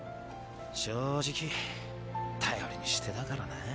正直頼りにしてたからな。